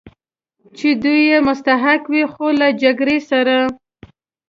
چې دوی یې مستحق و، خو له جګړې سره.